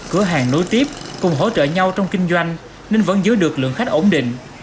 cửa hàng nối tiếp cùng hỗ trợ nhau trong kinh doanh nên vẫn giữ được lượng khách ổn định